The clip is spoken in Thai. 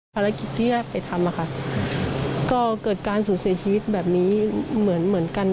ภารกิจที่แรกไปทำอะค่ะก็เกิดการสูญเสียชีวิตแบบนี้เหมือนกัน